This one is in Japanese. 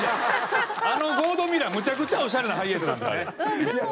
あのゴードンミラーむちゃくちゃオシャレなハイエースなんで。